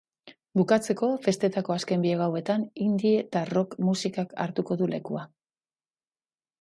Bukatzeko, festetako azken bi gauetan indie eta rock musikak hartuko du lekua.